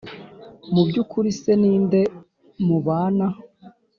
Mu by ukuri se ni nde mubana